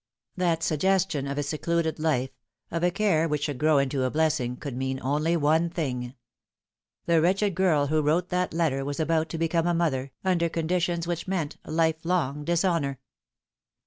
That suggestion of a secluded life of a care which should grow into a blessing could mean only one thing. The wretched girl who wrote that letter was about to become a mother, under conditions which meant lifelong dishonour.